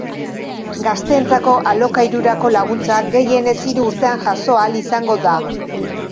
Gazteentzako alokairurako laguntza gehienez hiru urtean jaso ahal izango da.